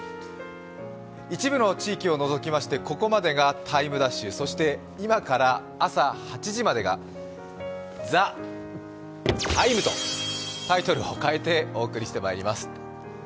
一部の地域を除きまして、ここまでが「ＴＩＭＥ’」、そして今から朝８時までが「ＴＨＥＴＩＭＥ，」とタイトルを変えてお送りしてまいります。